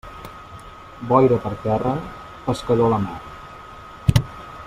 Boira per terra, pescador a la mar.